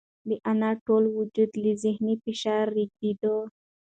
د انا ټول وجود له ذهني فشاره رېږدېده.